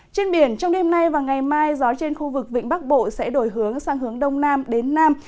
trên biển trong đêm nay và ngày mai gió trên khu vực vịnh bắc bộ sẽ đổi hướng sang hướng đông nam đến nam